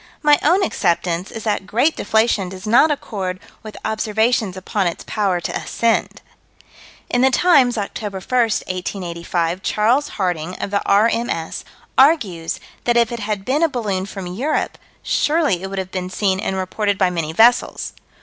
My own acceptance is that great deflation does not accord with observations upon its power to ascend. In the Times, Oct. 1, 1885, Charles Harding, of the R.M.S., argues that if it had been a balloon from Europe, surely it would have been seen and reported by many vessels.